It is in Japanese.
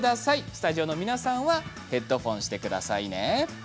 スタジオの皆さんはヘッドホンしてくださいね。